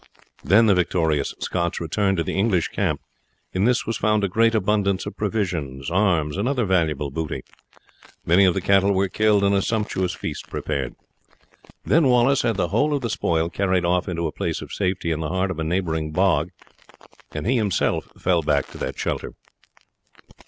Then the victorious Scots returned to the English camp. In this was found a great abundance of provisions, arms, and other valuable booty. Many of the cattle were killed, and a sumptuous feast prepared. Then Wallace had the whole of the spoil carried off into a place of safety in the heart of a neighbouring bog, and he himself fell back to that shelter.